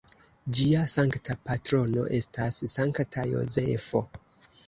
Ĝia sankta patrono estas Sankta Jozefo.